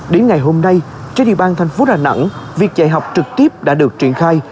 đến ngày hôm nay trên địa bàn thành phố đà nẵng việc dạy học trực tiếp đã được triển khai